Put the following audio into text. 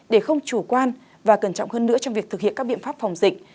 để không chủ quan và cẩn trọng hơn nữa trong việc thực hiện các biện pháp phòng dịch